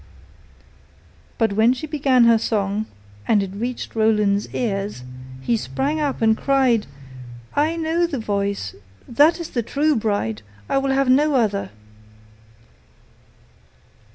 But when she began her song, and it reached Roland's ears, he sprang up and cried: 'I know the voice, that is the true bride, I will have no other!